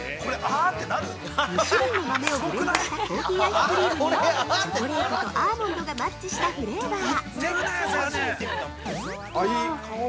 ２種類の豆をブレンドしたコーヒーアイスクリームにチョコレートとアーモンドがマッチしたフレーバー。